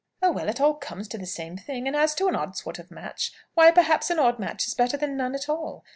"Oh, well, it all comes to the same thing. And as to an odd sort of match, why, perhaps, an odd match is better than none at all.